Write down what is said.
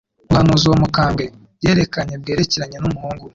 n'ubuhanuzi uwo mukambwe yerekanye bwerekeranye n'umuhungu we,